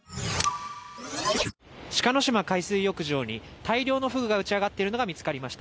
志賀島海水浴場に大量のフグが打ち上がっているのが見つかりました。